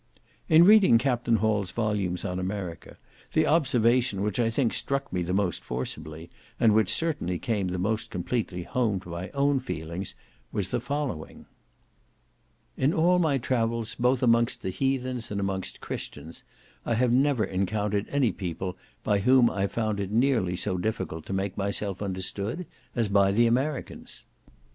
In reading Capt. Hall's volumes on America, the observation which, I think, struck me the most forcibly, and which certainly came the most completely home to my own feelings, was the following. "In all my travels both amongst Heathens, and amongst Christians, I have never encountered any people by whom I found it nearly so difficult to make myself understood as by the Americans."